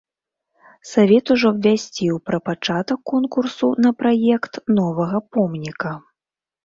Савет ужо абвясціў пра пачатак конкурсу на праект новага помніка.